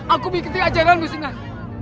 aku mengikuti ajaranmu sunan